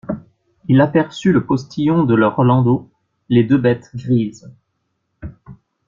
Il aperçut le postillon de leur landau, les deux bêtes grises.